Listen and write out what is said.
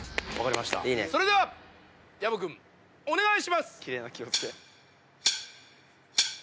それでは薮君お願いします！